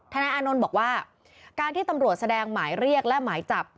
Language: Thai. นายอานนท์บอกว่าการที่ตำรวจแสดงหมายเรียกและหมายจับ